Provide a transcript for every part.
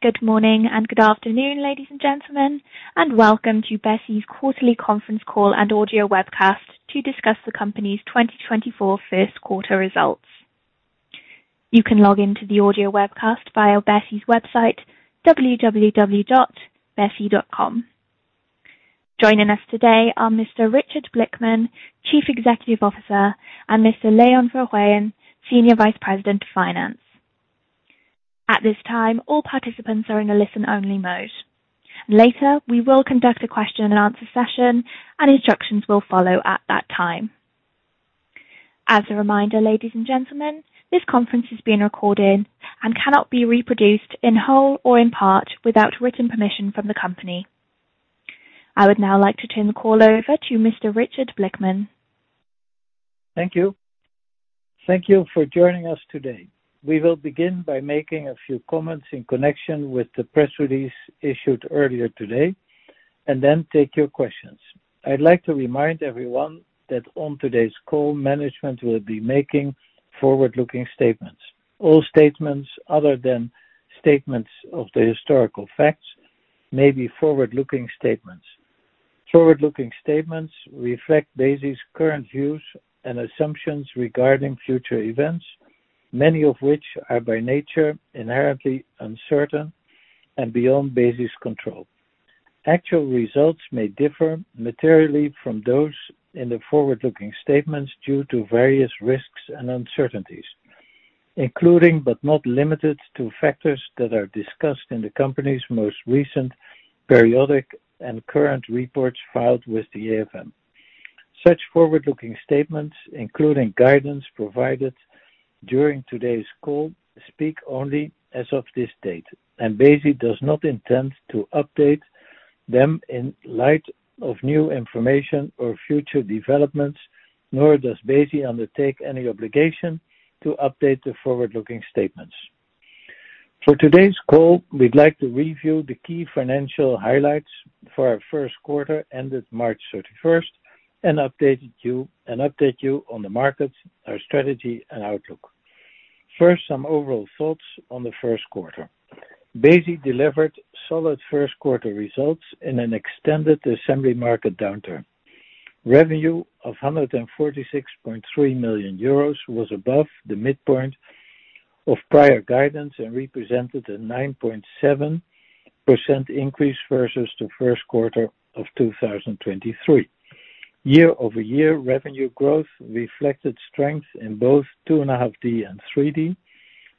Good morning and good afternoon, ladies and gentlemen, and welcome to Besi's quarterly conference call and audio webcast to discuss the company's 2024 first quarter results. You can log into the audio webcast via Besi's website, www.besi.com. Joining us today are Mr. Richard Blickman, Chief Executive Officer, and Mr. Leon Verhoeven, Senior Vice President of Finance. At this time, all participants are in a listen-only mode. Later, we will conduct a question and answer session, and instructions will follow at that time. As a reminder, ladies and gentlemen, this conference is being recorded and cannot be reproduced in whole or in part, without written permission from the company. I would now like to turn the call over to Mr. Richard Blickman. Thank you. Thank you for joining us today. We will begin by making a few comments in connection with the press release issued earlier today and then take your questions. I'd like to remind everyone that on today's call, management will be making forward-looking statements. All statements other than statements of the historical facts may be forward-looking statements. Forward-looking statements reflect Besi's current views and assumptions regarding future events, many of which are by nature, inherently uncertain and beyond Besi's control. Actual results may differ materially from those in the forward-looking statements due to various risks and uncertainties, including, but not limited to, factors that are discussed in the company's most recent periodic and current reports filed with the AFM. Such forward-looking statements, including guidance provided during today's call, speak only as of this date, and Besi does not intend to update them in light of new information or future developments, nor does Besi undertake any obligation to update the forward-looking statements. For today's call, we'd like to review the key financial highlights for our first quarter ended March 31, and update you on the markets, our strategy, and outlook. First, some overall thoughts on the first quarter. Besi delivered solid first quarter results in an extended assembly market downturn. Revenue of 146.3 million euros was above the midpoint of prior guidance and represented a 9.7% increase versus the first quarter of 2023. Year-over-year revenue growth reflected strength in both 2.5D and 3D,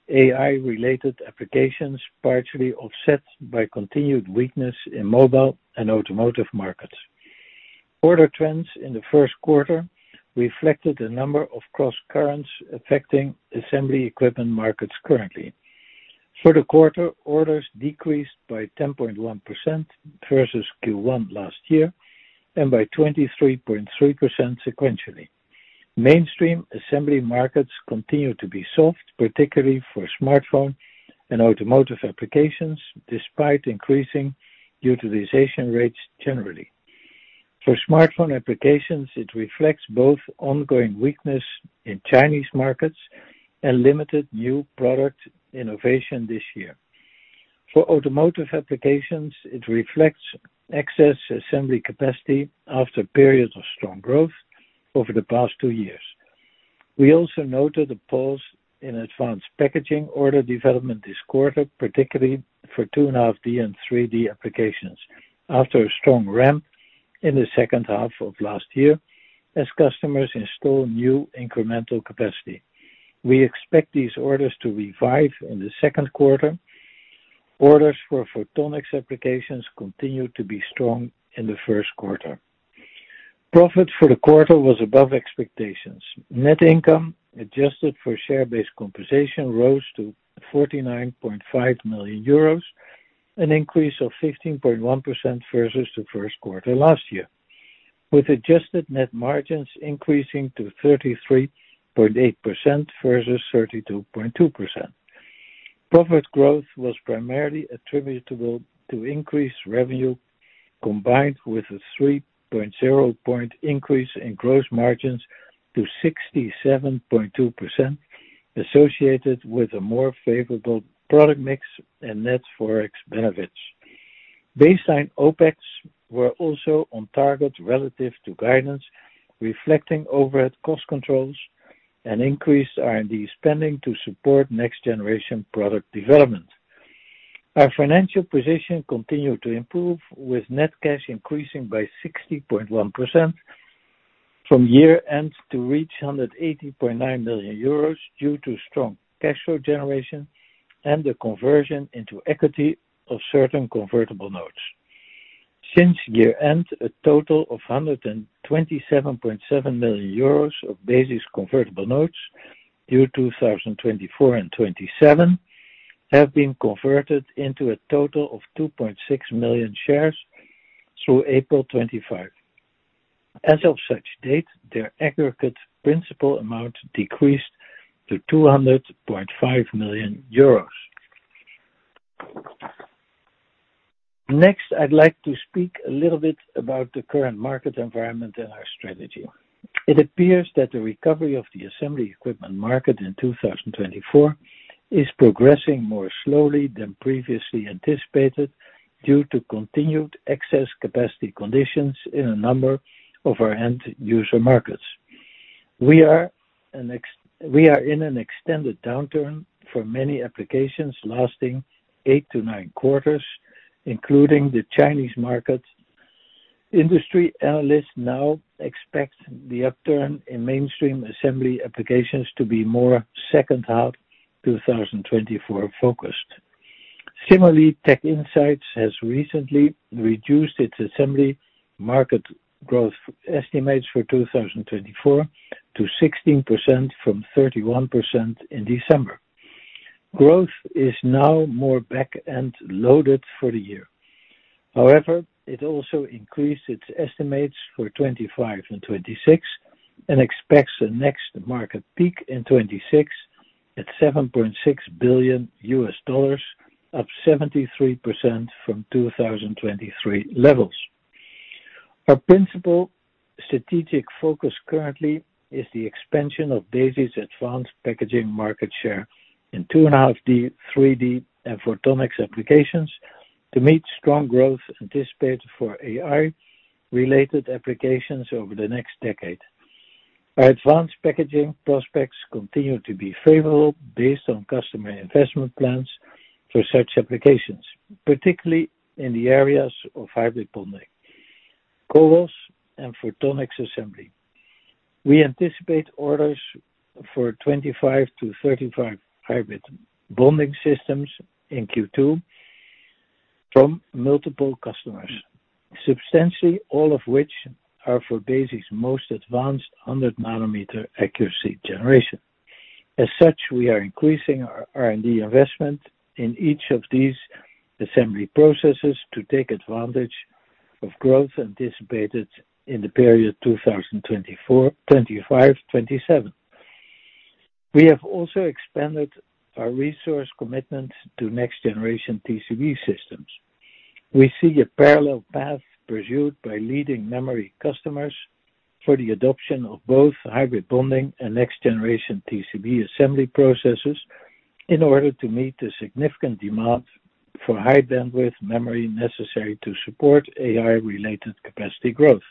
AI-related applications, partially offset by continued weakness in mobile and automotive markets. Order trends in the first quarter reflected the number of crosscurrents affecting assembly equipment markets currently. For the quarter, orders decreased by 10.1% versus Q1 last year, and by 23.3% sequentially. Mainstream assembly markets continue to be soft, particularly for smartphone and automotive applications, despite increasing utilization rates generally. For smartphone applications, it reflects both ongoing weakness in Chinese markets and limited new product innovation this year. For automotive applications, it reflects excess assembly capacity after periods of strong growth over the past two years. We also noted a pulse in advanced packaging order development this quarter, particularly for 2.5D and 3D applications, after a strong ramp in the second half of last year, as customers install new incremental capacity. We expect these orders to revive in the second quarter. Orders for photonics applications continued to be strong in the first quarter. Profit for the quarter was above expectations. Net income, adjusted for share-based compensation, rose to 49.5 million euros, an increase of 15.1% versus the first quarter last year, with adjusted net margins increasing to 33.8% versus 32.2%. Profit growth was primarily attributable to increased revenue, combined with a 3.0-point increase in gross margins to 67.2%, associated with a more favorable product mix and net forex benefits. Baseline OpEx were also on target relative to guidance, reflecting overhead cost controls and increased R&D spending to support next-generation product development. Our financial position continued to improve, with net cash increasing by 60.1% from year-end to reach 180.9 million euros due to strong cash flow generation and the conversion into equity of certain convertible notes. Since year-end, a total of 127.7 million euros of Besi's convertible notes, due 2024 and 2027, have been converted into a total of 2.6 million shares through April 25. As of such date, their aggregate principal amount decreased to EUR 200.5 million.... Next, I'd like to speak a little bit about the current market environment and our strategy. It appears that the recovery of the assembly equipment market in 2024 is progressing more slowly than previously anticipated, due to continued excess capacity conditions in a number of our end user markets. We are in an extended downturn for many applications, lasting 8-9 quarters, including the Chinese market. Industry analysts now expect the upturn in mainstream assembly applications to be more second half, 2024 focused. Similarly, TechInsights has recently reduced its assembly market growth estimates for 2024 to 16% from 31% in December. Growth is now more back-end loaded for the year. However, it also increased its estimates for 2025 and 2026, and expects the next market peak in 2026, at $7.6 billion, up 73% from 2023 levels. Our principal strategic focus currently is the expansion of Besi's advanced packaging market share in 2.5D, 3D, and photonics applications, to meet strong growth anticipated for AI-related applications over the next decade. Our advanced packaging prospects continue to be favorable based on customer investment plans for such applications, particularly in the areas of hybrid bonding, CoWoS, and photonics assembly. We anticipate orders for 25-35 hybrid bonding systems in Q2 from multiple customers, substantially all of which are for Besi's most advanced 100 nanometer accuracy generation. As such, we are increasing our R&D investment in each of these assembly processes to take advantage of growth anticipated in the period 2024, 2025, 2027. We have also expanded our resource commitment to next generation TCB systems. We see a parallel path pursued by leading memory customers for the adoption of both hybrid bonding and next generation TCB assembly processes, in order to meet the significant demand for high bandwidth memory necessary to support AI-related capacity growth.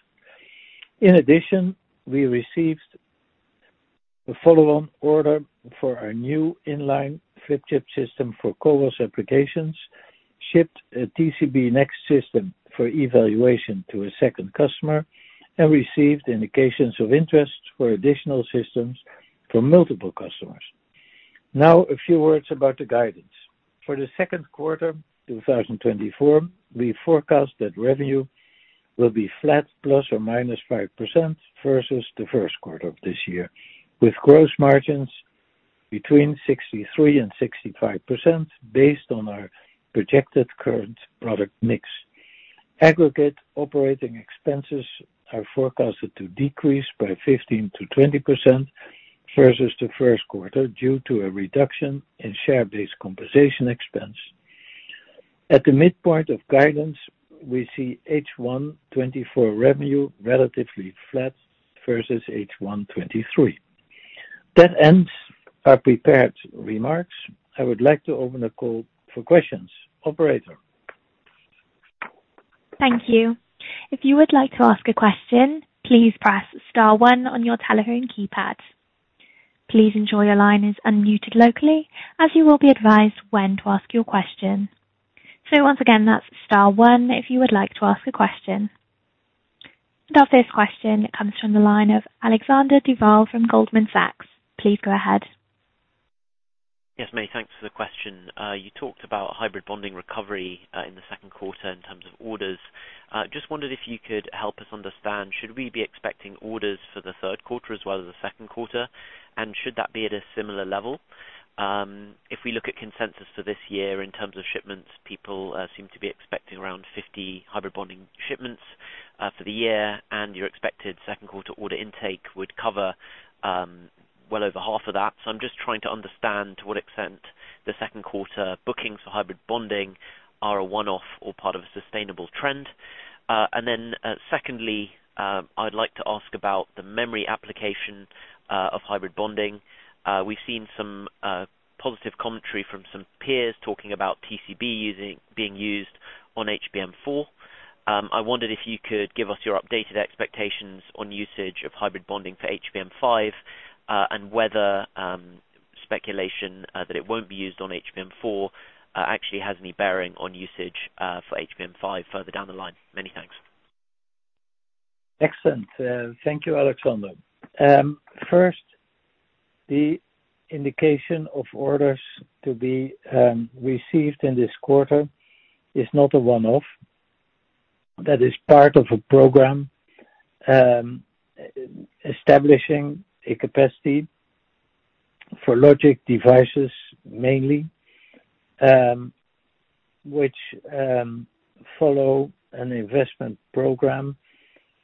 In addition, we received a follow-on order for our new in-line flip chip system for CoWoS applications, shipped a TCB Next system for evaluation to a second customer, and received indications of interest for additional systems from multiple customers. Now, a few words about the guidance. For the second quarter, 2024, we forecast that revenue will be flat, ±5%, versus the first quarter of this year, with gross margins between 63% and 65%, based on our projected current product mix. Aggregate operating expenses are forecasted to decrease by 15%-20% versus the first quarter, due to a reduction in share-based compensation expense. At the midpoint of guidance, we see H1 2024 revenue relatively flat versus H1 2023. That ends our prepared remarks. I would like to open the call for questions. Operator? Thank you. If you would like to ask a question, please press star one on your telephone keypad. Please ensure your line is unmuted locally, as you will be advised when to ask your question. So once again, that's star one, if you would like to ask a question. Our first question comes from the line of Alexander Duval from Goldman Sachs. Please go ahead. Yes, May, thanks for the question. You talked about hybrid bonding recovery in the second quarter in terms of orders. Just wondered if you could help us understand, should we be expecting orders for the third quarter as well as the second quarter? And should that be at a similar level? If we look at consensus for this year in terms of shipments, people seem to be expecting around 50 hybrid bonding shipments for the year, and your expected second quarter order intake would cover well over half of that. So I'm just trying to understand to what extent the second quarter bookings for hybrid bonding are a one-off or part of a sustainable trend. And then, secondly, I'd like to ask about the memory application of hybrid bonding. We've seen some positive commentary from some peers talking about TCB being used on HBM4. I wondered if you could give us your updated expectations on usage of hybrid bonding for HBM5, and whether speculation that it won't be used on HBM4 actually has any bearing on usage for HBM5 further down the line. Many thanks. Excellent. Thank you, Alexander. First, the indication of orders to be received in this quarter is not a one-off. That is part of a program establishing a capacity for logic devices, mainly, which follow an investment program,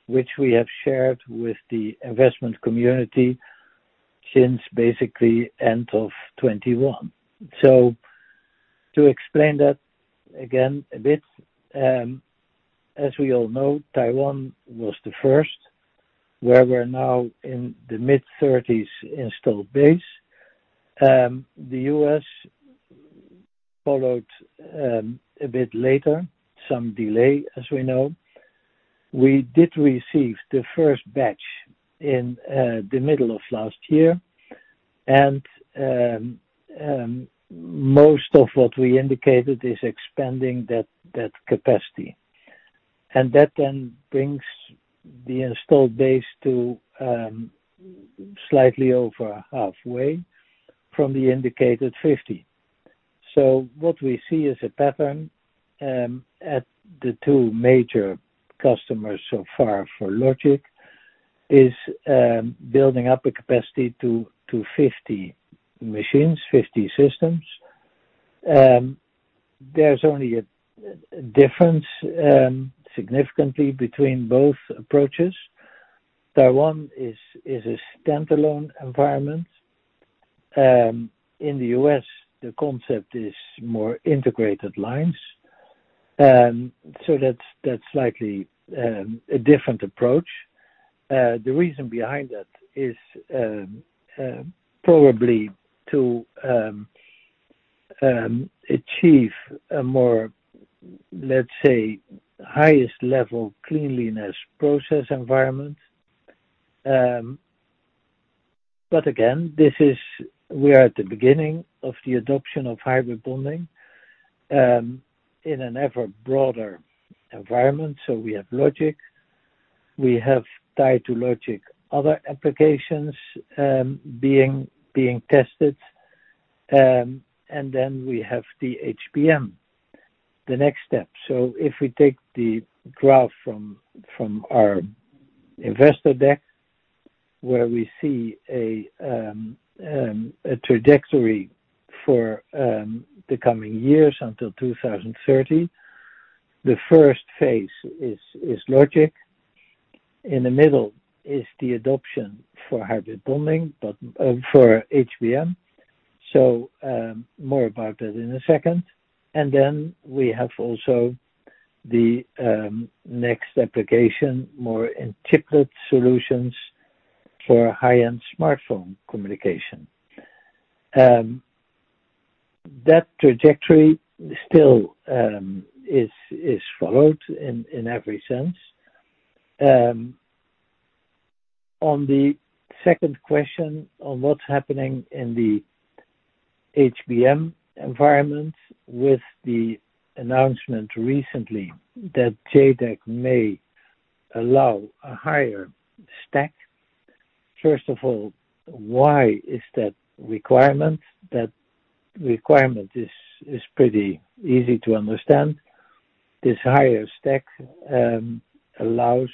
which we have shared with the investment community... since basically end of 2021. So to explain that again a bit, as we all know, Taiwan was the first, where we're now in the mid-30s installed base. The U.S. followed a bit later, some delay, as we know. We did receive the first batch in the middle of last year, and most of what we indicated is expanding that capacity. And that then brings the installed base to slightly over halfway from the indicated 50. So what we see is a pattern at the two major customers so far for logic is building up a capacity to 50 machines, 50 systems. There's only a difference significantly between both approaches. Taiwan is a standalone environment. In the U.S., the concept is more integrated lines. So that's slightly a different approach. The reason behind that is probably to achieve a more, let's say, highest level cleanliness process environment. But again, this is, we are at the beginning of the adoption of hybrid bonding in an ever broader environment. So we have logic, we have die-to-logic, other applications being tested, and then we have the HBM, the next step. So if we take the graph from our investor deck, where we see a trajectory for the coming years until 2030, the first phase is logic. In the middle is the adoption for hybrid bonding, but for HBM. So, more about that in a second. And then we have also the next application, more in chiplet solutions for high-end smartphone communication. That trajectory still is followed in every sense. On the second question on what's happening in the HBM environment with the announcement recently that JEDEC may allow a higher stack. First of all, why is that requirement? That requirement is pretty easy to understand. This higher stack allows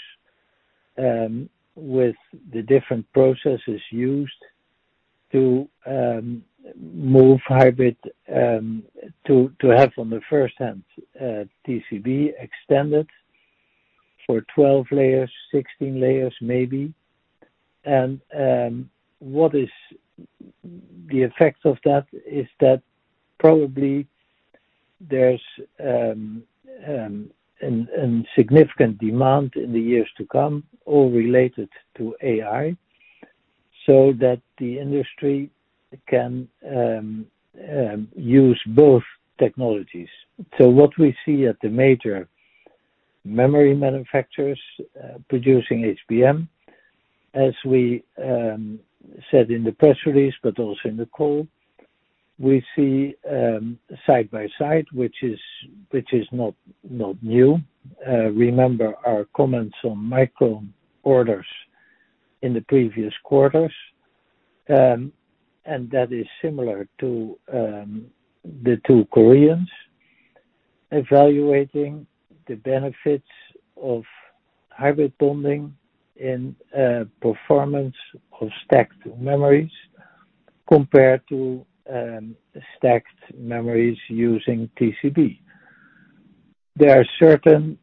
with the different processes used to move hybrid to to have on the first-hand TCB extended for 12 layers, 16 layers, maybe. And what is the effect of that, is that probably there's a significant demand in the years to come, all related to AI, so that the industry can use both technologies. So what we see at the major memory manufacturers producing HBM, as we said in the press release, but also in the call, we see side by side, which is not new. Remember our comments on Micron orders in the previous quarters, and that is similar to the two Koreans evaluating the benefits of hybrid bonding in performance of stacked memories compared to stacked memories using TCB. There are certain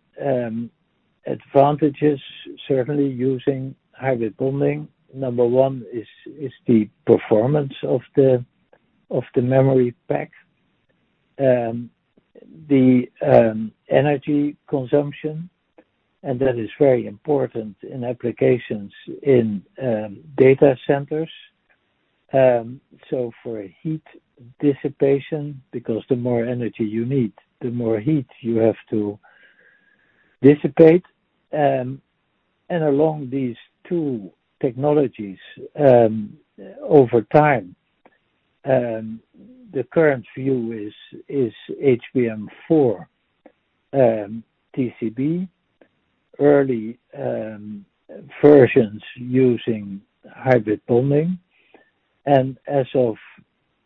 advantages, certainly using hybrid bonding. Number one is the performance of the memory pack. The energy consumption, and that is very important in applications in data centers. So for a heat dissipation, because the more energy you need, the more heat you have to dissipate. And along these two technologies, over time, the current view is HBM4, TCB, early versions using hybrid bonding, and as of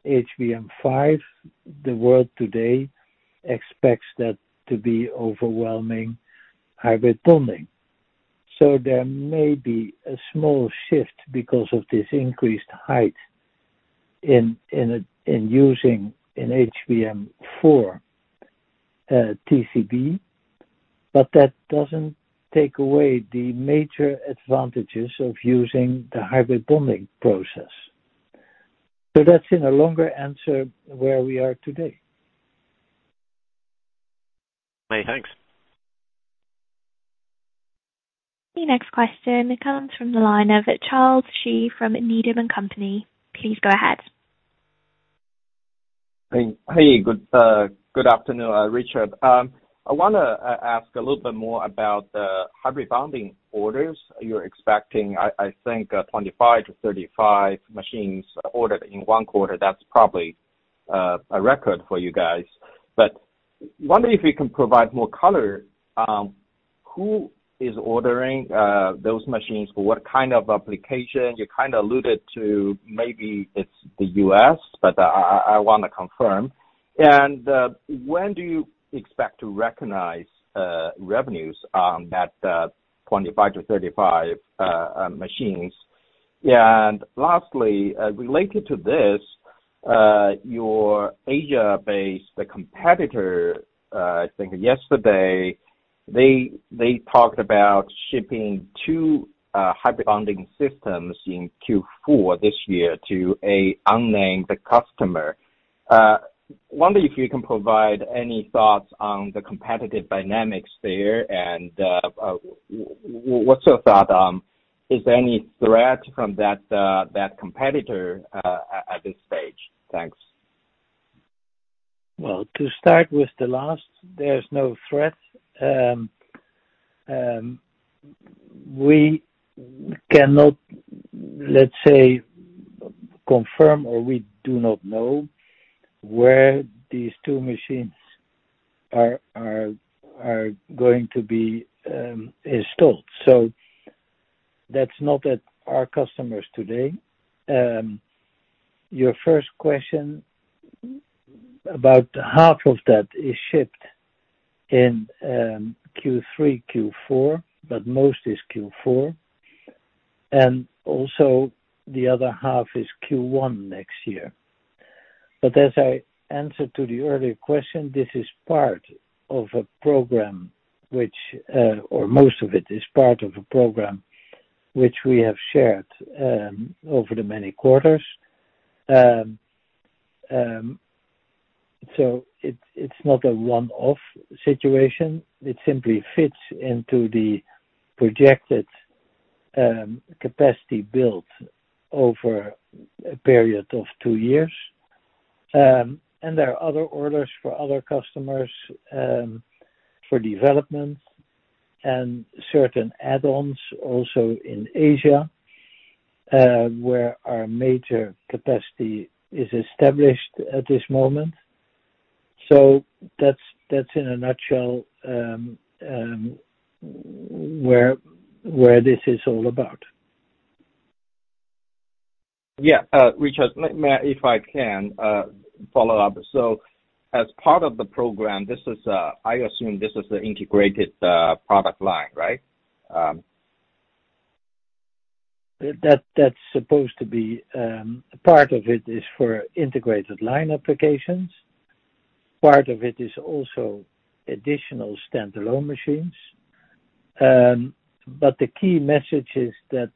HBM5, the world today expects that to be overwhelming hybrid bonding. So there may be a small shift because of this increased height in using an HBM4 TCB, but that doesn't take away the major advantages of using the hybrid bonding process. So that's in a longer answer where we are today. Many thanks. The next question comes from the line of Charles Shi from Needham & Company. Please go ahead. Hey, hey, good, good afternoon, Richard. I wanna ask a little bit more about the hybrid bonding orders you're expecting. I think, 25-35 machines ordered in one quarter, that's probably a record for you guys. But wondering if you can provide more color, who is ordering those machines? For what kind of application? You kind of alluded to maybe it's the U.S., but I wanna confirm. And, when do you expect to recognize revenues on that, 25-35 machines? And lastly, related to this, your Asia-based competitor, I think yesterday, they talked about shipping 2 hybrid bonding systems in Q4 this year to a unnamed customer. Wondering if you can provide any thoughts on the competitive dynamics there, and what's your thought, is there any threat from that competitor at this stage? Thanks. Well, to start with the last, there's no threat. We cannot, let's say, confirm, or we do not know where these two machines are going to be installed. So that's not at our customers today. Your first question, about half of that is shipped in Q3, Q4, but most is Q4. And also, the other half is Q1 next year. But as I answered to the earlier question, this is part of a program which, or most of it, is part of a program which we have shared over the many quarters. So it's not a one-off situation. It simply fits into the projected capacity built over a period of two years. There are other orders for other customers, for development and certain add-ons also in Asia, where our major capacity is established at this moment. That's, that's in a nutshell, where, where this is all about. Yeah, Richard, may I, if I can, follow up? So as part of the program, this is, I assume this is an integrated product line, right? Part of it is for integrated line applications. Part of it is also additional standalone machines. But the key message is that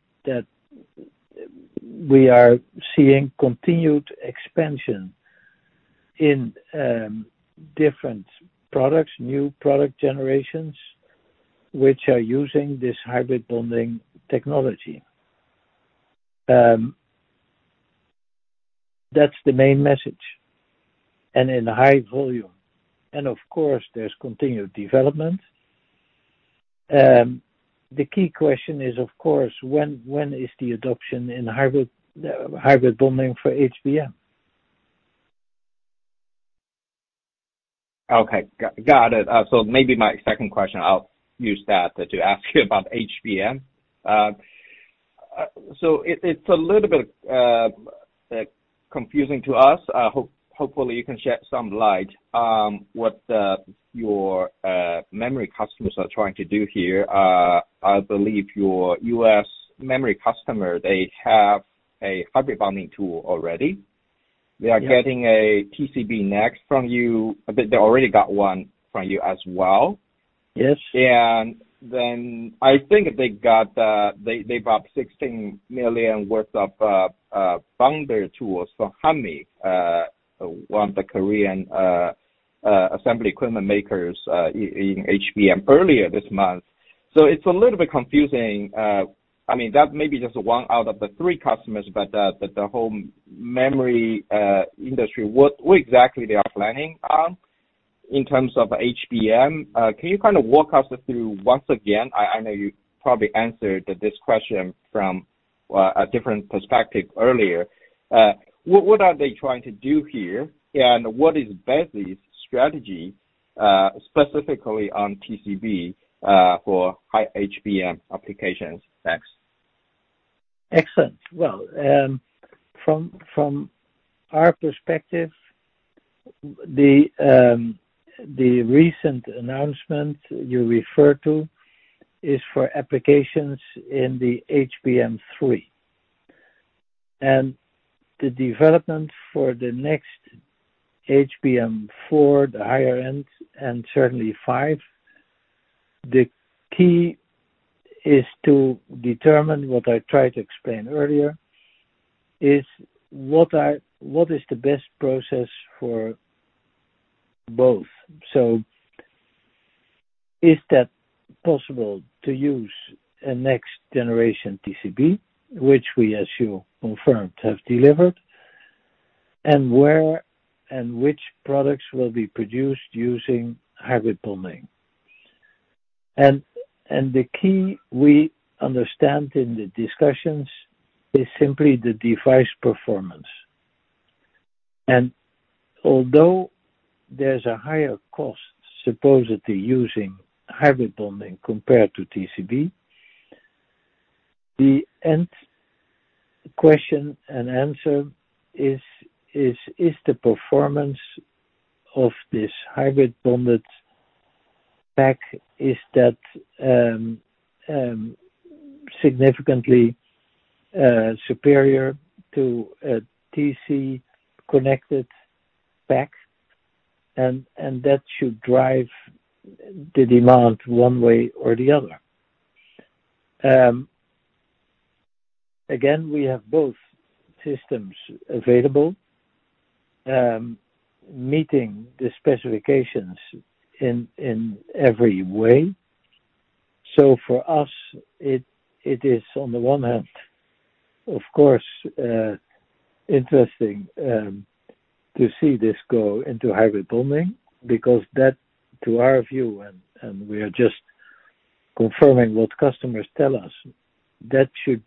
we are seeing continued expansion in different products, new product generations, which are using this hybrid bonding technology. That's the main message, and in high volume. And of course, there's continued development. The key question is, of course, when is the adoption in hybrid bonding for HBM? Okay. Got it. So maybe my second question, I'll use that to ask you about HBM. So it, it's a little bit confusing to us. Hopefully you can shed some light. What your memory customers are trying to do here, I believe your U.S. memory customer, they have a hybrid bonding tool already. Yes. They are getting a TCB Next from you, but they already got one from you as well. Yes. And then I think they bought $16 million worth of bonder tools from Hanmi, one of the Korean assembly equipment makers, in HBM earlier this month. So it's a little bit confusing. I mean, that may be just one out of the three customers, but the whole memory industry, what exactly they are planning on in terms of HBM? Can you kind of walk us through once again, I know you probably answered this question from a different perspective earlier. What are they trying to do here, and what is Besi's strategy, specifically on TCB, for high HBM applications? Thanks. Excellent. Well, from our perspective. The recent announcement you refer to is for applications in the HBM3, and the development for the next HBM4, the higher end, and certainly 5. The key is to determine, what I tried to explain earlier, is what is the best process for both? So is that possible to use a next generation TCB, which we, as you confirmed, have delivered, and where and which products will be produced using hybrid bonding? And the key we understand in the discussions is simply the device performance. And although there's a higher cost, supposedly using hybrid bonding compared to TCB, the end question and answer is, is the performance of this hybrid bonded pack, is that significantly superior to TC connected pack? That should drive the demand one way or the other. Again, we have both systems available, meeting the specifications in every way. So for us, it is on the one hand, of course, interesting to see this go into hybrid bonding, because that, to our view, we are just confirming what customers tell us, that should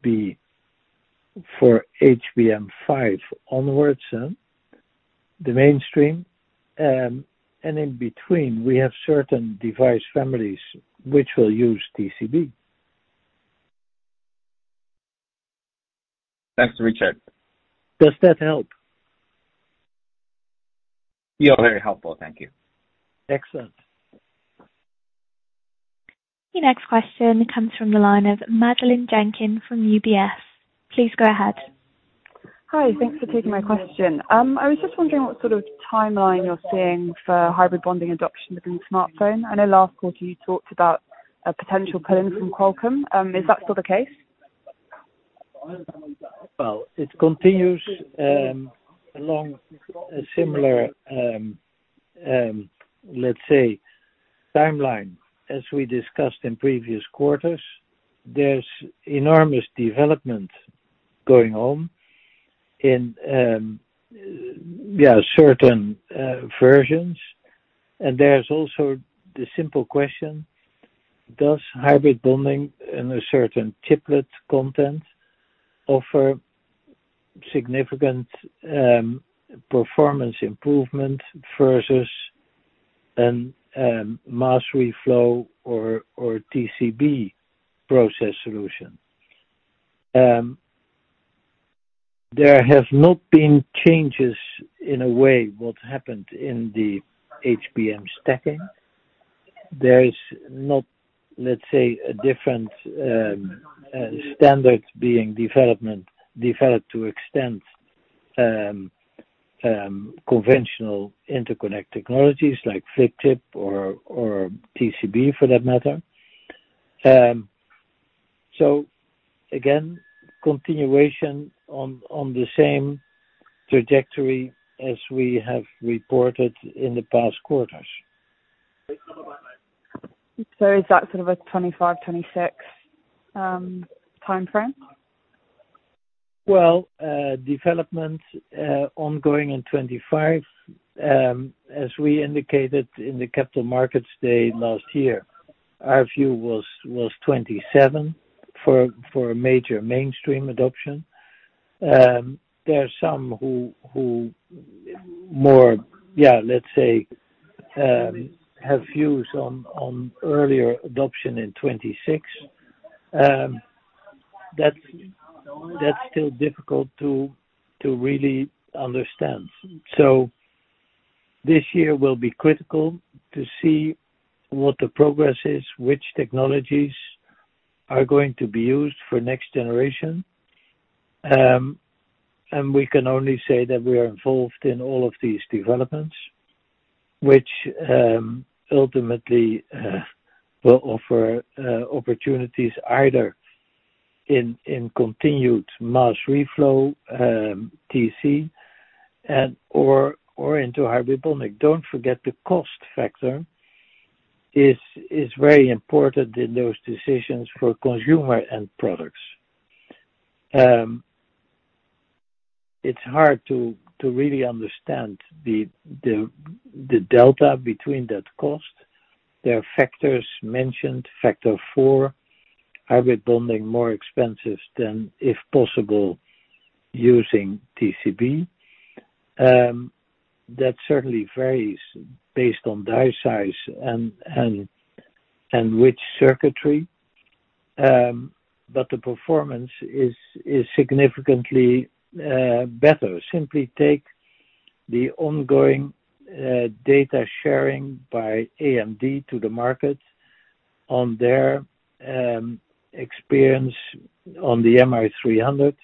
be for HBM5 onwards, the mainstream. And in between, we have certain device families which will use TCB. Thanks, Richard. Does that help? You are very helpful. Thank you. Excellent. Your next question comes from the line of Madeleine Jenkins, from UBS. Please go ahead. Hi, thanks for taking my question. I was just wondering what sort of timeline you're seeing for hybrid bonding adoption within smartphone. I know last quarter you talked about a potential pull-in from Qualcomm. Is that still the case? Well, it continues along a similar, let's say, timeline, as we discussed in previous quarters. There's enormous development going on in certain versions. And there's also the simple question, does hybrid bonding in a certain chiplet content offer significant performance improvement versus mass reflow or TCB process solution? There have not been changes in a way, what happened in the HBM stacking. There is not, let's say, a different standard being development, developed to extend conventional interconnect technologies like flip chip or TCB, for that matter. So again, continuation on the same trajectory as we have reported in the past quarters. Is that sort of a 2025-2026 timeframe? Well, development ongoing in 2025. As we indicated in the Capital Markets Day last year, our view was 2027 for a major mainstream adoption. There are some who more, yeah, let's say, have views on earlier adoption in 2026. That's still difficult to really understand. So this year will be critical to see what the progress is, which technologies are going to be used for next generation. And we can only say that we are involved in all of these developments, which ultimately will offer opportunities either in continued mass reflow, TC and/or into hybrid bonding. Don't forget, the cost factor is very important in those decisions for consumer end products. It's hard to really understand the delta between that cost. There are factors mentioned, factor four, hybrid bonding more expensive than if possible using TCB. That certainly varies based on die size and which circuitry. But the performance is significantly better. Simply take the ongoing data sharing by AMD to the market on their experience on the MI300,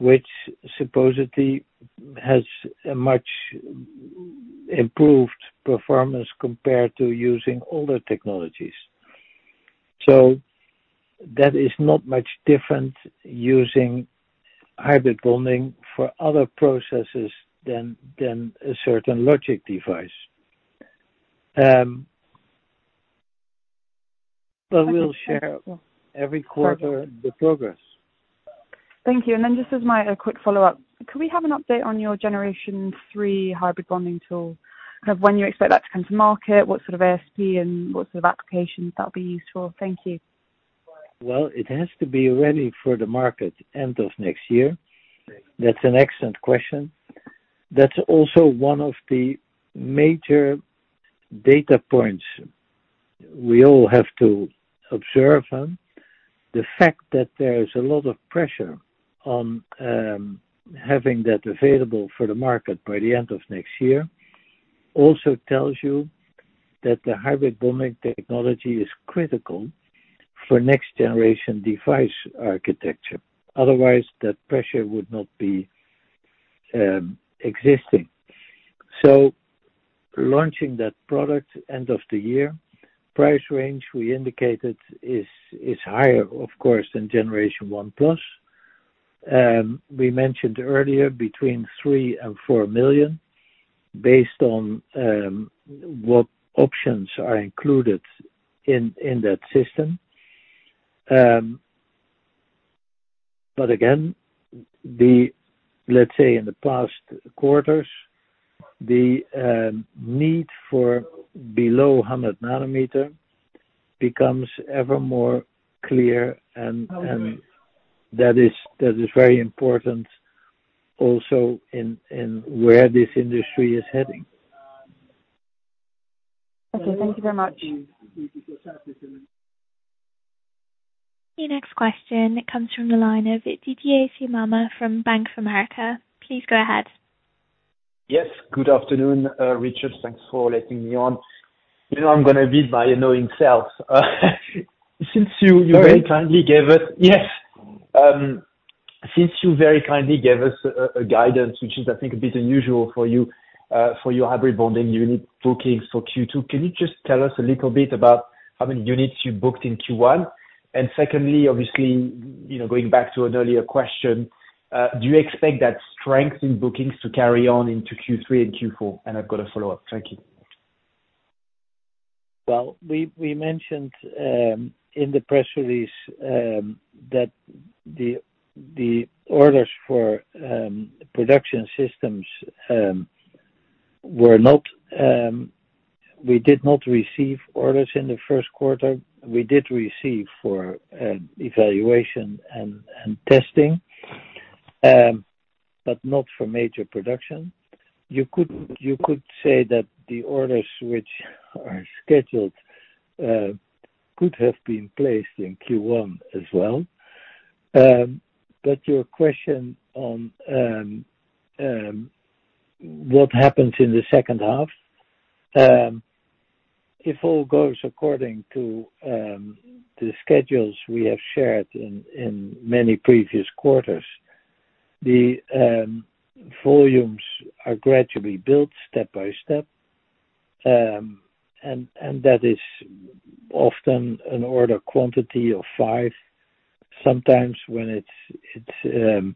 which supposedly has a much improved performance compared to using older technologies. So that is not much different using hybrid bonding for other processes than a certain logic device. But we'll share every quarter the progress. Thank you. Then just as a quick follow-up: Can we have an update on your Generation 3 hybrid bonding tool? Kind of when you expect that to come to market, what sort of ASP and what sort of applications that'll be used for? Thank you. Well, it has to be ready for the market end of next year. That's an excellent question. That's also one of the major data points we all have to observe on. The fact that there is a lot of pressure on having that available for the market by the end of next year also tells you that the hybrid bonding technology is critical for next generation device architecture. Otherwise, that pressure would not be existing. So launching that product end of the year, price range, we indicated is higher, of course, than Generation 1+. We mentioned earlier, between 3 million and 4 million, based on what options are included in that system. But again, the... Let's say in the past quarters, the need for below 100 nanometer becomes ever more clear, and that is very important also in where this industry is heading. Okay, thank you very much. The next question comes from the line of Didier Scemama from Bank of America. Please go ahead. Yes, good afternoon, Richard. Thanks for letting me on. You know, I'm gonna be my annoying self. Since you- Sure. Very kindly gave us... Yes. Since you very kindly gave us a guidance, which is, I think, a bit unusual for you, for your hybrid bonding unit bookings for Q2, can you just tell us a little bit about how many units you booked in Q1? And secondly, obviously, you know, going back to an earlier question, do you expect that strength in bookings to carry on into Q3 and Q4? And I've got a follow-up. Thank you. Well, we mentioned in the press release that the orders for production systems were not; we did not receive orders in the first quarter. We did receive for evaluation and testing, but not for major production. You could say that the orders which are scheduled could have been placed in Q1 as well. But your question on what happens in the second half, if all goes according to the schedules we have shared in many previous quarters, the volumes are gradually built step by step. And that is often an order quantity of 5. Sometimes when it's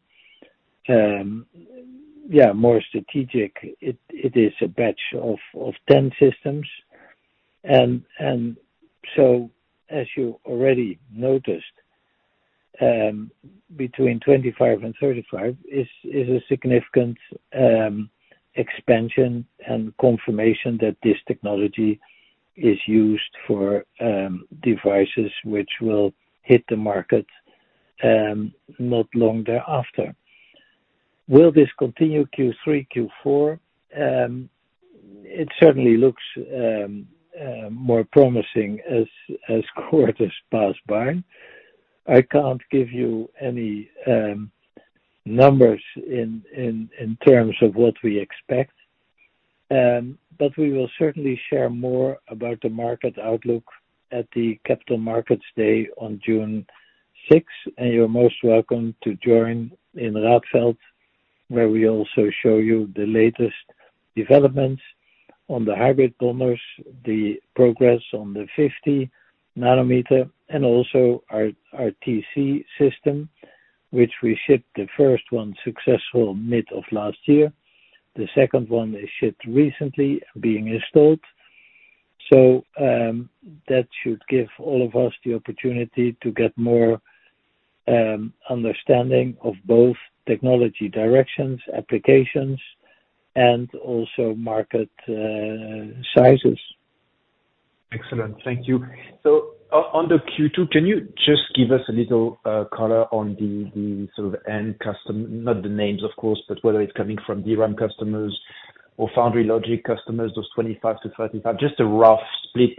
more strategic, it is a batch of 10 systems. As you already noticed, between 25 and 35 is a significant expansion and confirmation that this technology is used for devices which will hit the market not long thereafter. Will this continue Q3, Q4? It certainly looks more promising as quarters pass by. I can't give you any numbers in terms of what we expect, but we will certainly share more about the market outlook at the Capital Markets Day on June 6, and you're most welcome to join in Radfeld, where we also show you the latest developments on the hybrid bonders, the progress on the 50 nanometer, and also our TC system, which we shipped the first one successful mid of last year. The second one is shipped recently, being installed. So, that should give all of us the opportunity to get more understanding of both technology directions, applications, and also market sizes. Excellent. Thank you. So on the Q2, can you just give us a little color on the sort of end customer, not the names, of course, but whether it's coming from DRAM customers or foundry logic customers, those 25-35, just a rough split.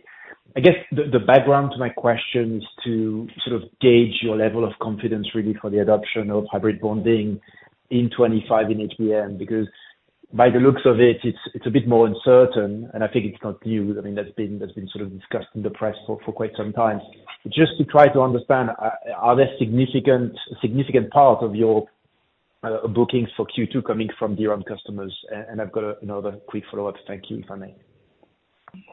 I guess the background to my question is to sort of gauge your level of confidence really for the adoption of hybrid bonding in 2025 in HBM, because by the looks of it, it's a bit more uncertain, and I think it's not new. I mean, that's been sort of discussed in the press for quite some time. Just to try to understand, are there significant part of your bookings for Q2 coming from DRAM customers? And I've got another quick follow-up. Thank you, if I may.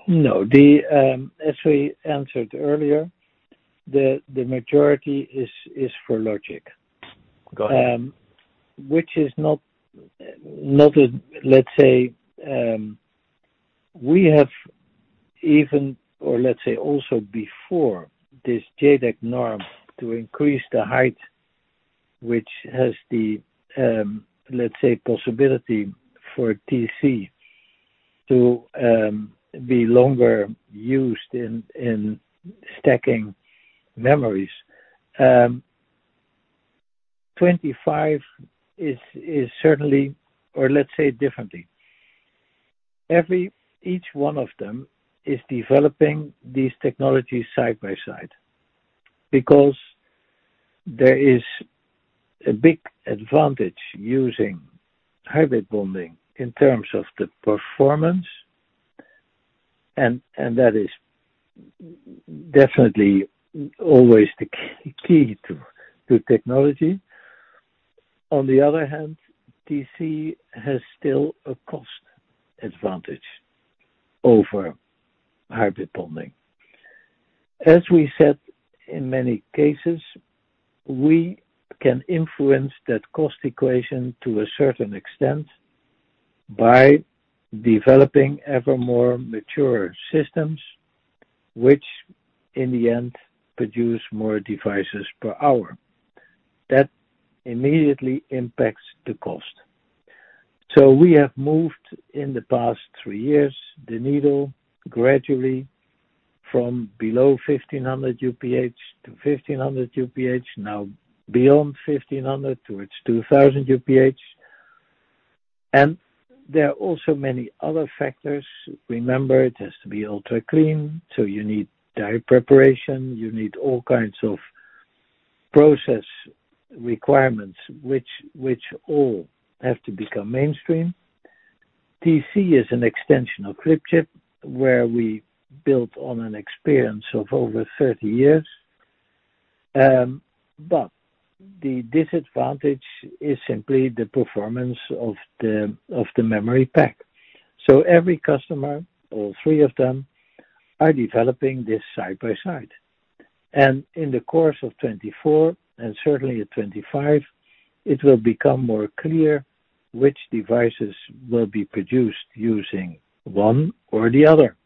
No, as we answered earlier, the majority is for logic. Go ahead. Which is not, let's say, we have even, or let's say also before this JEDEC norm, to increase the height, which has the, let's say, possibility for TC to be longer used in stacking memories. 25 is certainly, or let's say differently. Each one of them is developing these technologies side by side, because there is a big advantage using hybrid bonding in terms of the performance, and that is definitely always the key to technology. On the other hand, TC has still a cost advantage over hybrid bonding. As we said, in many cases, we can influence that cost equation to a certain extent by developing ever more mature systems, which, in the end, produce more devices per hour. That immediately impacts the cost. So we have moved, in the past three years, the needle gradually from below 1,500 UPH to 1,500 UPH, now beyond 1,500, towards 2,000 UPH. And there are also many other factors. Remember, it has to be ultra clean, so you need die preparation, you need all kinds of process requirements, which all have to become mainstream. TC is an extension of flip chip, where we built on an experience of over 30 years. But the disadvantage is simply the performance of the, of the memory pack. So every customer, all three of them, are developing this side by side. And in the course of 2024, and certainly in 2025, it will become more clear which devices will be produced using one or the other.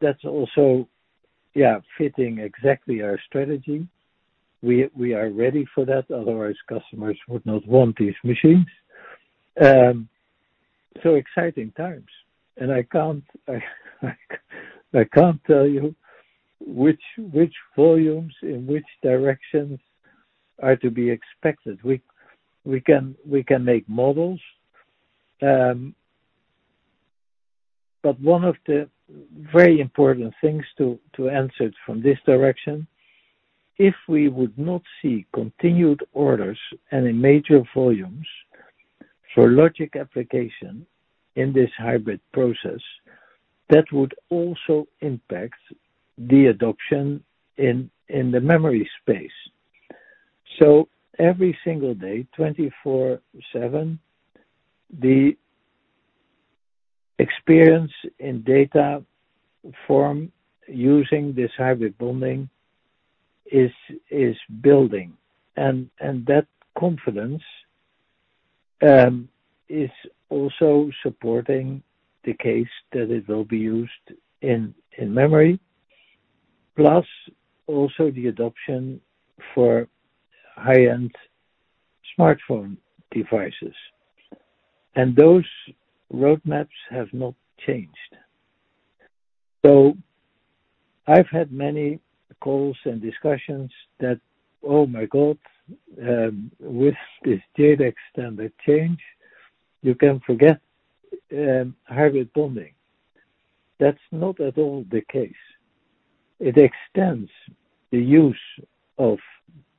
That's also, yeah, fitting exactly our strategy. We are ready for that, otherwise customers would not want these machines. So exciting times, and I can't tell you which volumes and which directions are to be expected. We can make models, but one of the very important things to answer it from this direction, if we would not see continued orders and in major volumes for logic application in this hybrid process, that would also impact the adoption in the memory space. So every single day, 24/7, the experience in data form using this hybrid bonding is building, and that confidence is also supporting the case that it will be used in memory, plus also the adoption for high-end smartphone devices. And those roadmaps have not changed. So I've had many calls and discussions that: Oh, my God, with this JEDEC standard change, you can forget, hybrid bonding. That's not at all the case. It extends the use of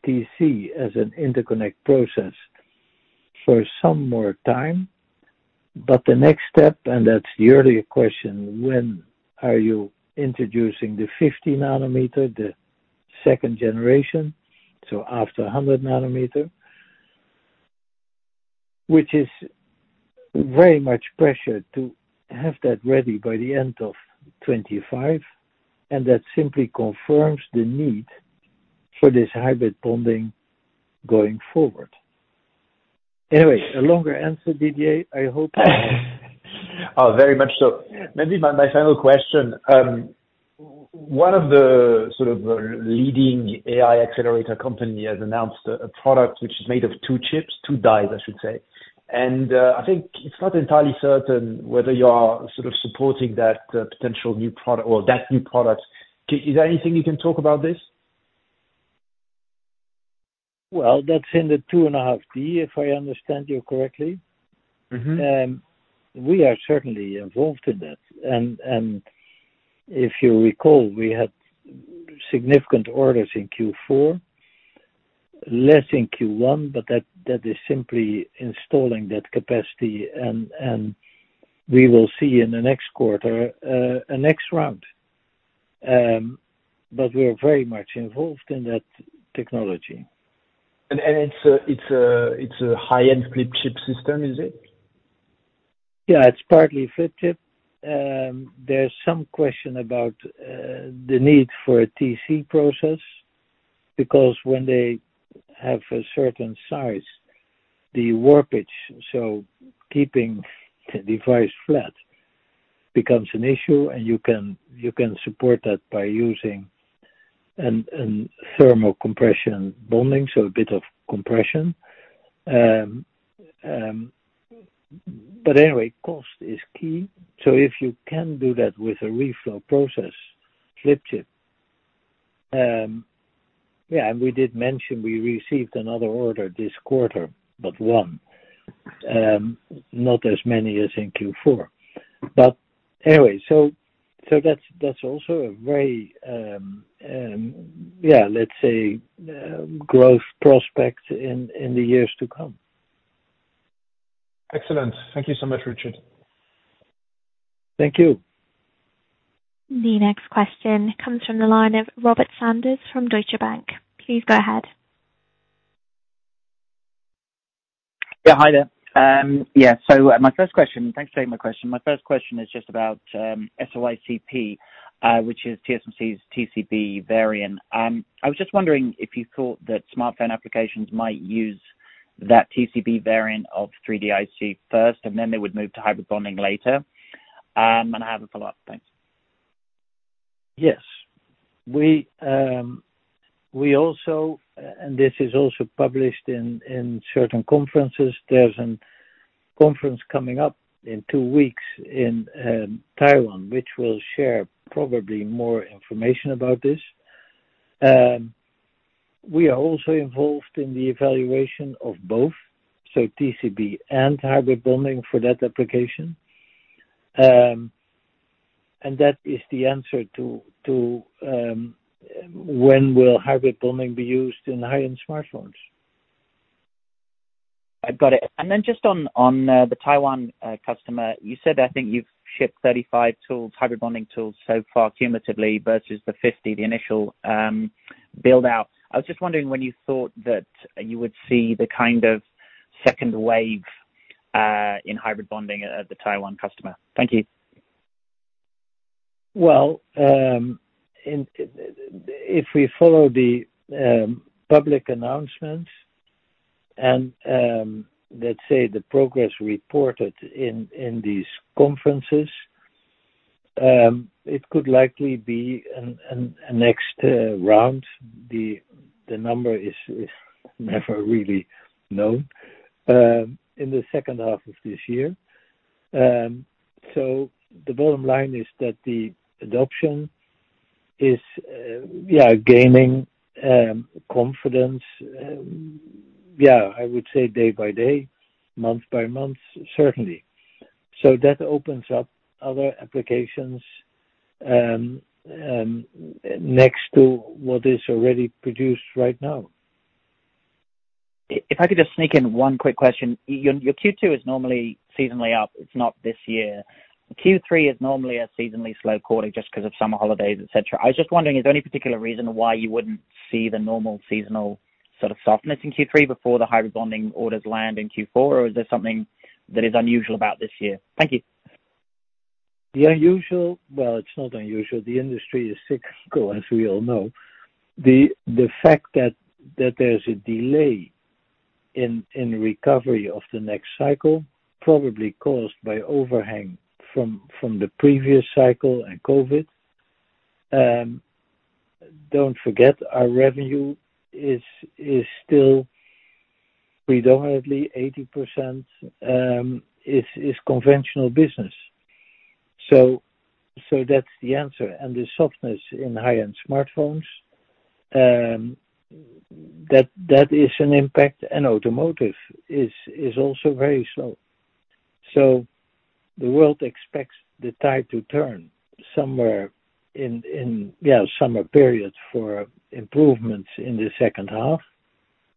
TC as an interconnect process for some more time, but the next step, and that's the earlier question, when are you introducing the 50 nanometer, the second generation, so after a 100 nanometer, which is very much pressure to have that ready by the end of 2025, and that simply confirms the need for this hybrid bonding going forward. Anyway, a longer answer, Didier, I hope. Oh, very much so. Maybe my, my final question. One of the sort of leading AI accelerator company has announced a, a product which is made of two chips, two dies, I should say. And, I think it's not entirely certain whether you are sort of supporting that, potential new product or that new product. Is there anything you can talk about this?... Well, that's in the 2.5D, if I understand you correctly. We are certainly involved in that. And if you recall, we had significant orders in Q4, less in Q1, but that is simply installing that capacity, and we will see in the next quarter a next round. But we are very much involved in that technology. And it's a high-end flip chip system, is it? Yeah, it's partly flip chip. There's some question about the need for a TC process, because when they have a certain size, the warpage, so keeping the device flat becomes an issue, and you can support that by using a thermocompression bonding, so a bit of compression. But anyway, cost is key. So if you can do that with a reflow process, flip chip. Yeah, and we did mention we received another order this quarter, but one, not as many as in Q4. But anyway, so that's also a very, yeah, let's say, growth prospect in the years to come. Excellent. Thank you so much, Richard. Thank you. The next question comes from the line of Robert Sanders from Deutsche Bank. Please go ahead. Yeah, hi there. Yeah, so my first question... Thanks for taking my question. My first question is just about SoIC, which is TSMC's TCB variant. I was just wondering if you thought that smartphone applications might use that TCB variant of 3D IC first, and then they would move to hybrid bonding later. And I have a follow-up. Thanks. Yes. We also, and this is also published in certain conferences. There's a conference coming up in two weeks in Taiwan, which will share probably more information about this. We are also involved in the evaluation of both, so TCB and hybrid bonding for that application. And that is the answer to when will hybrid bonding be used in high-end smartphones? I've got it. And then just on, on, the Taiwan customer, you said, I think you've shipped 35 tools, hybrid bonding tools so far, cumulatively, versus the 50, the initial, build-out. I was just wondering when you thought that you would see the kind of second wave, in hybrid bonding at the Taiwan customer. Thank you. Well, if we follow the public announcements and let's say the progress reported in these conferences, it could likely be a next round. The number is never really known in the second half of this year. So the bottom line is that the adoption is yeah gaining confidence yeah I would say day by day, month by month, certainly. So that opens up other applications next to what is already produced right now. If I could just sneak in one quick question. Your Q2 is normally seasonally up. It's not this year. Q3 is normally a seasonally slow quarter just 'cause of summer holidays, et cetera. I was just wondering, is there any particular reason why you wouldn't see the normal seasonal sort of softness in Q3 before the hybrid bonding orders land in Q4? Or is there something that is unusual about this year? Thank you. The unusual... Well, it's not unusual. The industry is cyclical, as we all know. The fact that there's a delay in recovery of the next cycle, probably caused by overhang from the previous cycle and COVID, don't forget, our revenue is still predominantly 80%, is conventional business. So that's the answer. And the softness in high-end smartphones, that is an impact, and automotive is also very slow. So the world expects the tide to turn somewhere in yeah summer period for improvements in the second half.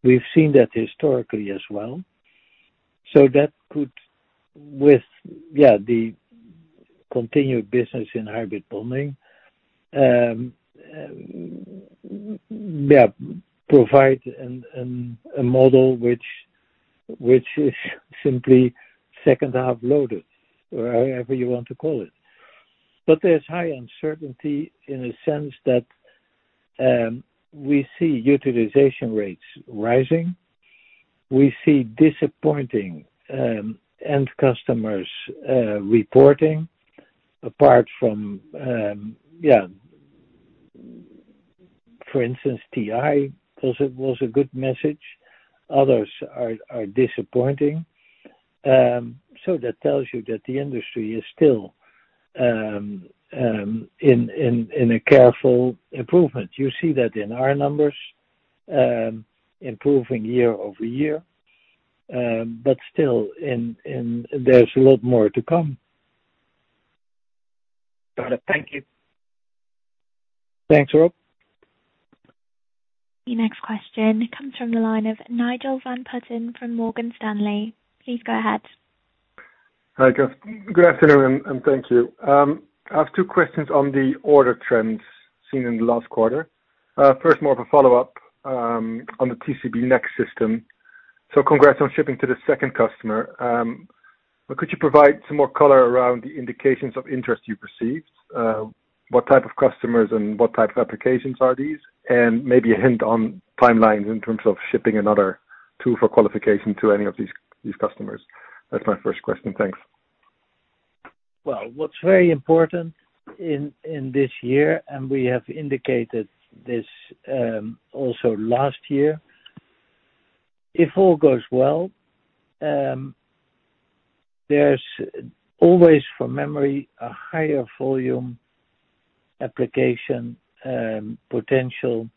We've seen that historically as well. So that could with yeah the continued business in hybrid bonding, yeah, provide a model which is simply second half loaded, or however you want to call it. But there's high uncertainty in the sense that, we see utilization rates rising. We see disappointing, end customers, reporting, apart from, yeah, for instance, TI, was a good message. Others are disappointing. So that tells you that the industry is still in a careful improvement. You see that in our numbers, improving year-over-year, but still, and there's a lot more to come. Got it. Thank you. Thanks, Rob. The next question comes from the line of Nigel van Putten from Morgan Stanley. Please go ahead. Hi, guys. Good afternoon, and thank you. I have two questions on the order trends seen in the last quarter. First, more of a follow-up on the TCB Next system. So congrats on shipping to the second customer. But could you provide some more color around the indications of interest you've received? What type of customers and what type of applications are these? And maybe a hint on timelines in terms of shipping another tool for qualification to any of these customers. That's my first question. Thanks. Well, what's very important in this year, and we have indicated this also last year, if all goes well, there's always, for memory, a higher volume application potential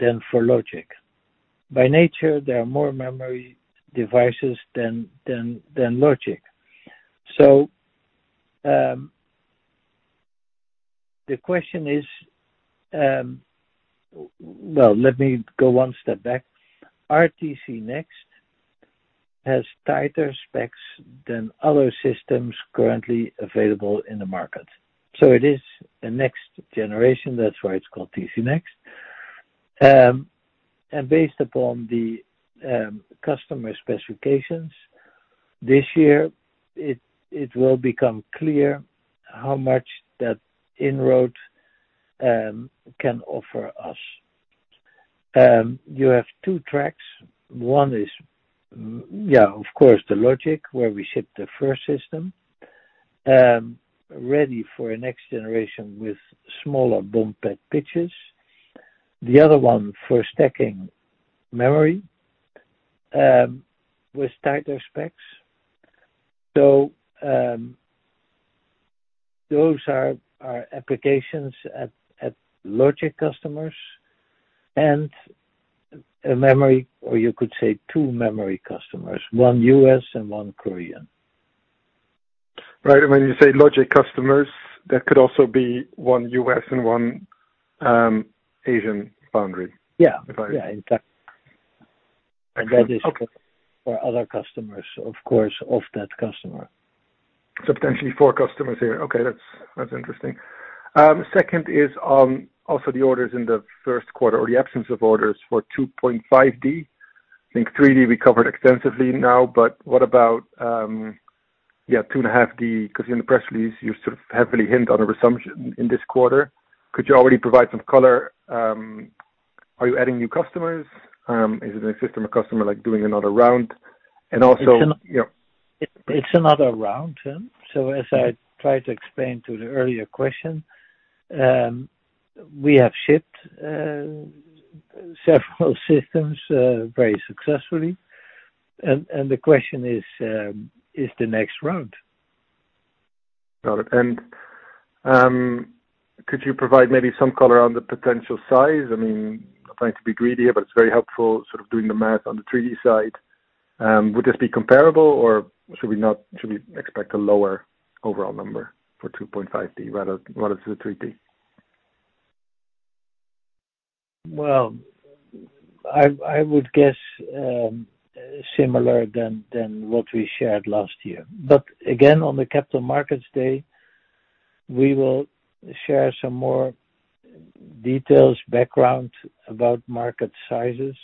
than for logic. By nature, there are more memory devices than logic. So, the question is, well, let me go one step back. TCB Next has tighter specs than other systems currently available in the market, so it is a next generation. That's why it's called TCB Next. And based upon the customer specifications this year, it will become clear how much that inroad can offer us. You have two tracks. One is, yeah, of course, the logic where we ship the first system ready for a next generation with smaller bump and pitches. The other one for stacking memory with tighter specs. Those are applications at logic customers and a memory, or you could say two memory customers, one U.S. and one Korean. Right. And when you say logic customers, that could also be one U.S. and one Asian foundry. Yeah. Right. Yeah, exactly. Okay. For other customers, of course, of that customer. Potentially four customers here. Okay, that's, that's interesting. Second is on also the orders in the first quarter or the absence of orders for 2.5D. I think 3D we covered extensively now, but what about, 2.5D? Because in the press release, you sort of heavily hint on a resumption in this quarter. Could you already provide some color? Are you adding new customers? Is it an existing customer, like doing another round? And also- It's a- Yeah. It's another round, yeah. So as I tried to explain to the earlier question, we have shipped several systems very successfully, and the question is, is the next round. Got it. And, could you provide maybe some color on the potential size? I mean, not trying to be greedy, but it's very helpful sort of doing the math on the 3D side. Would this be comparable, or should we expect a lower overall number for 2.5D rather than, rather to the 3D? Well, I would guess similar than what we shared last year. But again, on the Capital Markets Day, we will share some more details, background about market sizes,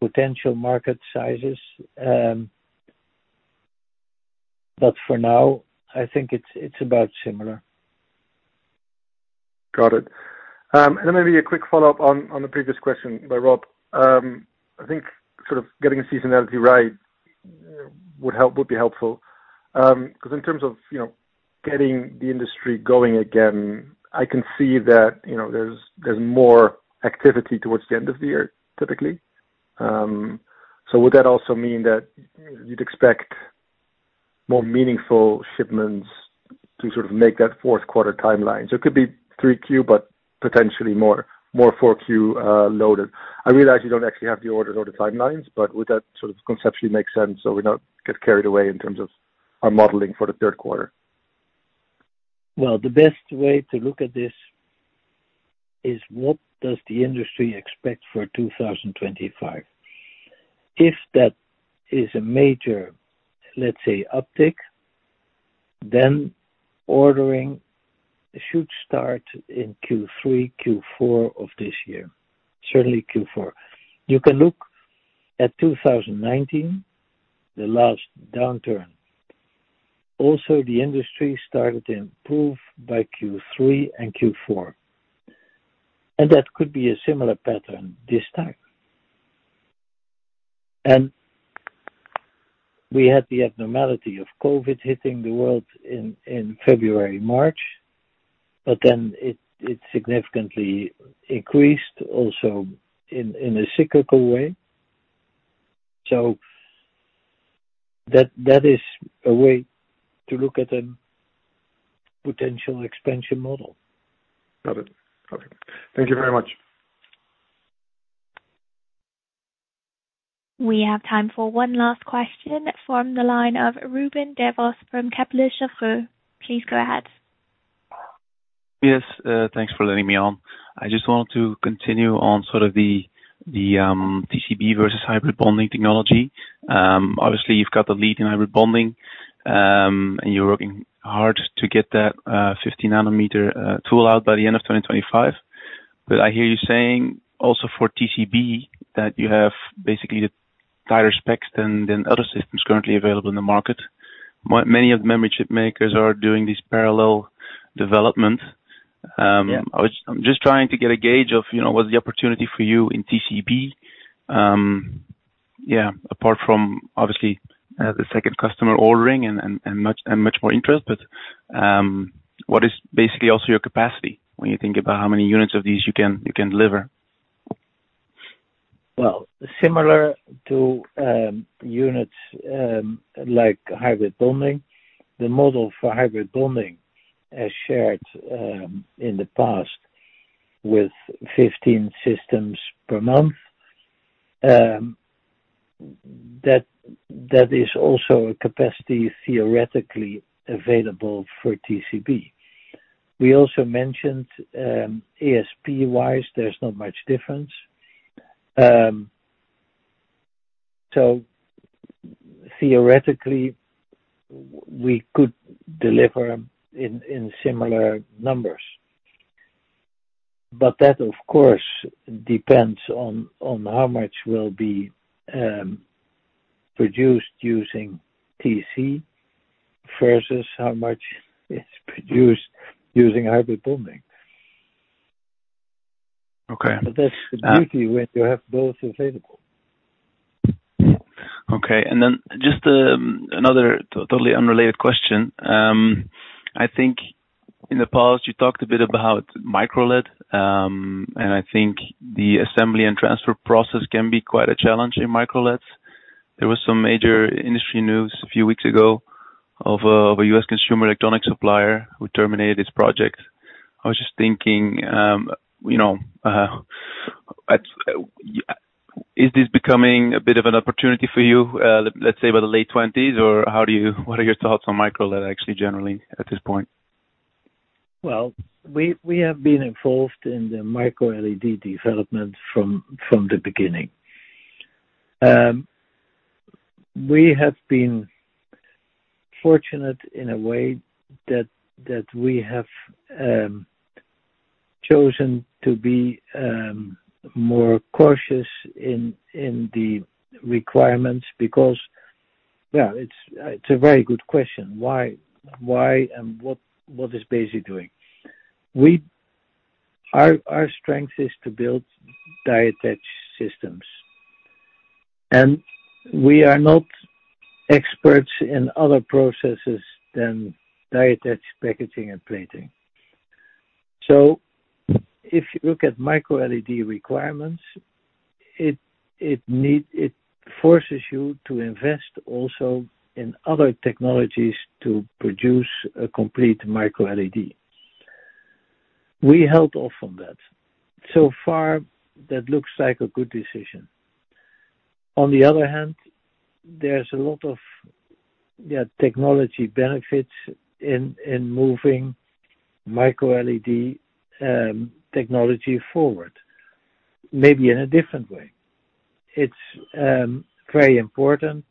potential market sizes. But for now, I think it's about similar. Got it. And then maybe a quick follow-up on the previous question by Rob. I think sort of getting a seasonality right would help, would be helpful. 'Cause in terms of, you know, getting the industry going again, I can see that, you know, there's more activity towards the end of the year, typically. So would that also mean that you'd expect more meaningful shipments to sort of make that fourth quarter timeline? So it could be 3Q, but potentially more 4Q loaded. I realize you don't actually have the orders or the timelines, but would that sort of conceptually make sense so we don't get carried away in terms of our modeling for the third quarter? Well, the best way to look at this is what does the industry expect for 2025? If that is a major, let's say, uptick, then ordering should start in Q3, Q4 of this year, certainly Q4. You can look at 2019, the last downturn. Also, the industry started to improve by Q3 and Q4, and that could be a similar pattern this time. We had the abnormality of COVID hitting the world in February, March, but then it significantly increased also in a cyclical way. So that is a way to look at a potential expansion model. Got it. Okay. Thank you very much. We have time for one last question from the line of Ruben Devos from Kepler Cheuvreux. Please go ahead. Yes, thanks for letting me on. I just wanted to continue on sort of the TCB versus hybrid bonding technology. Obviously, you've got the lead in hybrid bonding, and you're working hard to get that 50 nanometer tool out by the end of 2025. But I hear you saying also for TCB, that you have basically the tighter specs than other systems currently available in the market. Many of the memory chip makers are doing this parallel development. Yeah. I'm just trying to get a gauge of, you know, what's the opportunity for you in TCB. Yeah, apart from obviously the second customer ordering and much more interest, but what is basically also your capacity when you think about how many units of these you can deliver? Well, similar to units like hybrid bonding, the model for hybrid bonding, as shared in the past, with 15 systems per month, that is also a capacity theoretically available for TCB. We also mentioned ASP-wise, there's not much difference. So theoretically, we could deliver in similar numbers. But that, of course, depends on how much will be produced using TC versus how much is produced using hybrid bonding. Okay, um- But that's the beauty when you have both available. Okay, and then just another totally unrelated question. I think in the past you talked a bit about MicroLED, and I think the assembly and transfer process can be quite a challenge in MicroLEDs. There was some major industry news a few weeks ago of a U.S. consumer electronic supplier who terminated his project. I was just thinking, you know, is this becoming a bit of an opportunity for you, let's say, by the late twenties? Or what are your thoughts on MicroLED, actually, generally, at this point? Well, we have been involved in the MicroLED development from the beginning. We have been fortunate in a way that we have chosen to be more cautious in the requirements because... Yeah, it's a very good question. Why and what is Besi doing? Our strength is to build die-attach systems, and we are not experts in other processes than die-attach packaging and plating. So if you look at MicroLED requirements, it needs, it forces you to invest also in other technologies to produce a complete MicroLED. We held off on that. So far, that looks like a good decision. On the other hand, there's a lot of, yeah, technology benefits in moving MicroLED technology forward, maybe in a different way. It's very important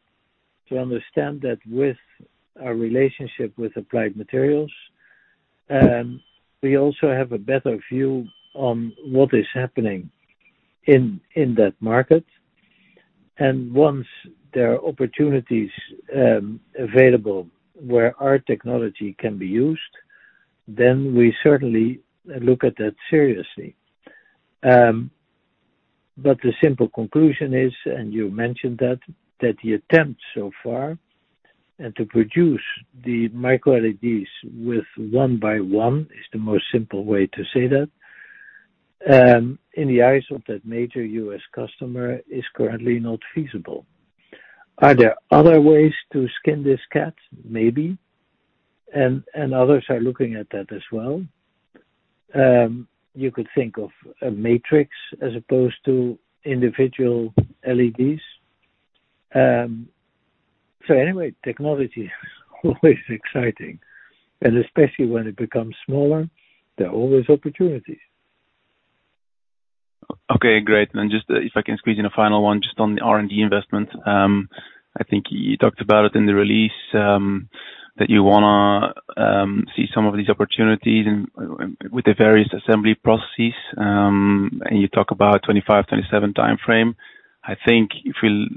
to understand that with our relationship with Applied Materials, we also have a better view on what is happening in that market. And once there are opportunities available where our technology can be used, then we certainly look at that seriously. But the simple conclusion is, and you mentioned that, that the attempt so far, and to produce the micro LEDs with one by one, is the most simple way to say that, in the eyes of that major U.S. customer, is currently not feasible. Are there other ways to skin this cat? Maybe, and others are looking at that as well. You could think of a matrix as opposed to individual LEDs. So anyway, technology is always exciting, and especially when it becomes smaller, there are always opportunities. Okay, great. And just, if I can squeeze in a final one, just on the R&D investment. I think you talked about it in the release, that you wanna see some of these opportunities and, with the various assembly processes, and you talk about 2025-2027 timeframe. I think if we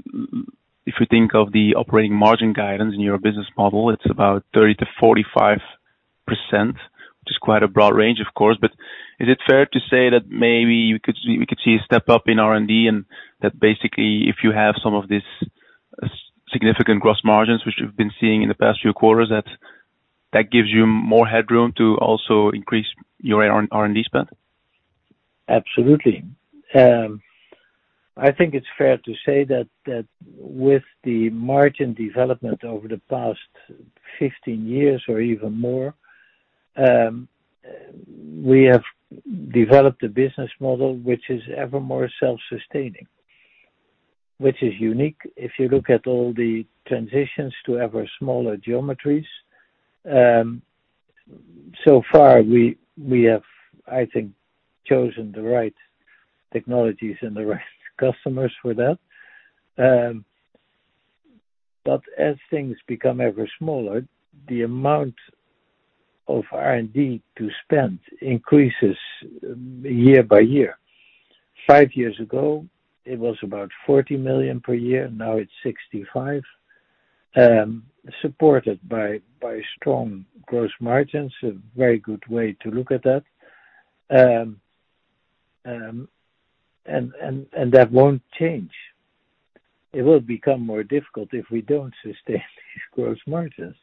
if we think of the operating margin guidance in your business model, it's about 30%-45%... Which is quite a broad range, of course, but is it fair to say that maybe we could, we could see a step up in R&D, and that basically, if you have some of these significant gross margins, which we've been seeing in the past few quarters, that, that gives you more headroom to also increase your R&D spend? Absolutely. I think it's fair to say that with the margin development over the past 15 years or even more, we have developed a business model which is ever more self-sustaining, which is unique. If you look at all the transitions to ever smaller geometries, so far we have, I think, chosen the right technologies and the right customers for that. But as things become ever smaller, the amount of R&D to spend increases year by year. 5 years ago, it was about 40 million per year, now it's 65 million, supported by strong gross margins, a very good way to look at that. And that won't change. It will become more difficult if we don't sustain these gross margins.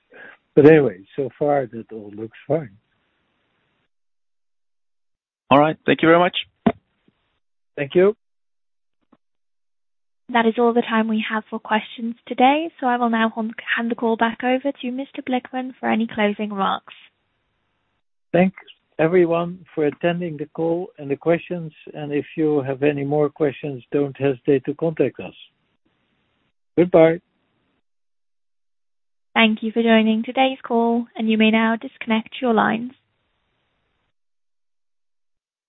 But anyway, so far, that all looks fine. All right, thank you very much. Thank you. That is all the time we have for questions today, so I will now hand the call back over to Mr. Blickman for any closing remarks. Thanks, everyone, for attending the call and the questions, and if you have any more questions, don't hesitate to contact us. Goodbye. Thank you for joining today's call, and you may now disconnect your lines.